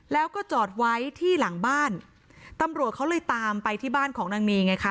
แล้วก็จอดไว้ที่หลังบ้านตำรวจเขาเลยตามไปที่บ้านของนางนีไงคะ